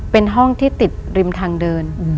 เป็นห้องที่ติดริมทางเดิน